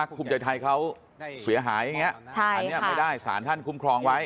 ภูมิใจไทยเขาเสียหายอย่างนี้อันนี้ไม่ได้สารท่านคุ้มครองไว้